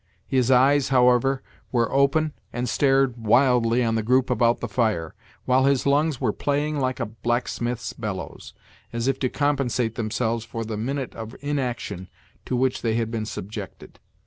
His eyes, however, were open, and stared wildly on the group about the fire, while his lungs were playing like a blacksmith's bellows, as if to compensate themselves for the minute of inaction to which they had been subjected.